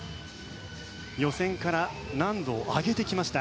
予選から難度を上げてきました。